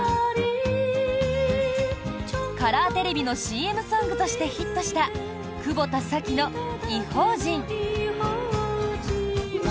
カラーテレビのＣＭソングとしてヒットした久保田早紀の「異邦人」。